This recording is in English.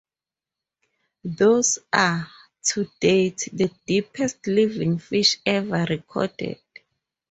These are, to date, the deepest living fish ever recorded.